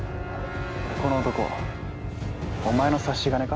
◆この男、お前の差し金か？